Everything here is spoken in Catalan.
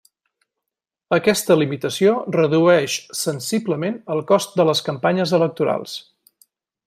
Aquesta limitació redueix sensiblement el cost de les campanyes electorals.